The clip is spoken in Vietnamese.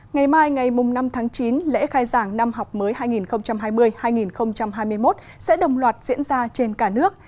ngày mai ngày năm tháng chín lễ khai giảng năm học mới hai nghìn hai mươi hai nghìn hai mươi một sẽ đồng loạt diễn ra trên cả nước